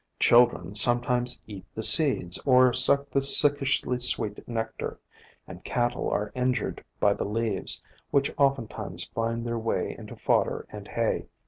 Children sometimes eat the seeds or suck the sickishly sweet nectar, and cattle are injured by the leaves, which oftentimes find their way into fodder and hay.